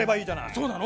そうなの？